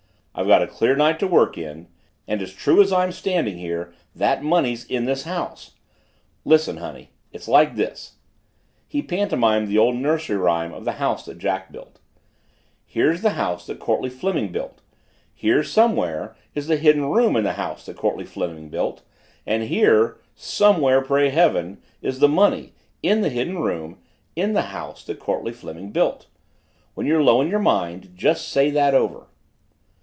I've got a clear night to work in and as true as I'm standing here, that money's in this house. Listen, honey it's like this." He pantomimed the old nursery rhyme of The House that Jack Built, "Here's the house that Courtleigh Fleming built here, somewhere, is the Hidden Room in the house that Courtleigh Fleming built and here somewhere pray Heaven is the money in the Hidden Room in the house that Courtleigh Fleming built. When you're low in your mind, just say that over!"